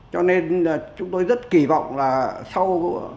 cho nên là chúng tôi rất kỳ vọng là sau